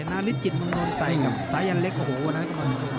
นาริจิตมงโดนไซสายันเล็กโอ้โหวะนักกว่า